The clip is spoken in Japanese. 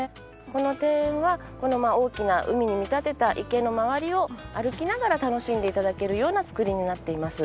この庭園はこの大きな海に見立てた池の周りを歩きながら楽しんで頂けるようなつくりになっています。